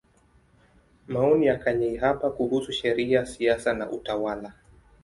Maoni ya Kanyeihamba kuhusu Sheria, Siasa na Utawala.